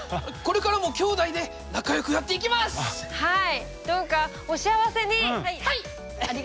はい！